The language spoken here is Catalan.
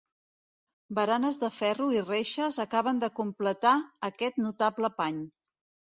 Baranes de ferro i reixes acaben de completar aquest notable pany.